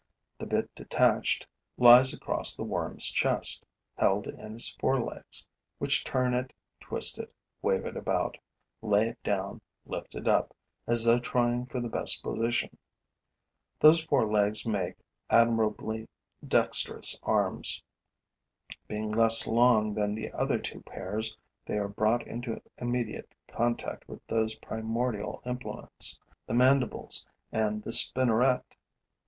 The bit detached lies across the worm's chest, held in its forelegs, which turn it, twist it, wave it about, lay it down, lift it up, as though trying for the best position. Those forelegs make admirably dexterous arms. Being less long than the other two pairs, they are brought into immediate contact with those primordial implements, the mandibles and the spinneret.